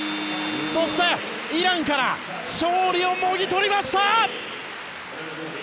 そして、イランから勝利をもぎ取りました！